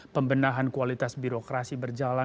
pembenahan kualitas birokrasi berjalan